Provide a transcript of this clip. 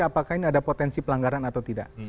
apakah ini ada potensi pelanggaran atau tidak